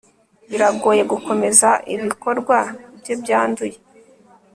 biragoye gukomeza ibikorwa bye byanduye